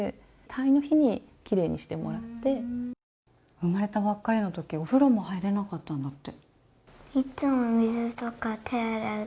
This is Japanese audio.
生まれたばっかりのとき、お風呂も入れなかったんだって。